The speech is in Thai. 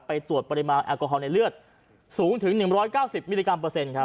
ตรวจปริมาณแอลกอฮอลในเลือดสูงถึง๑๙๐มิลลิกรัมเปอร์เซ็นครับ